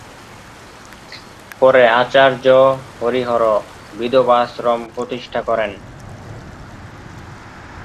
পরে আচার্য হরিহর "বিধবা আশ্রম" প্রতিষ্ঠা করেন।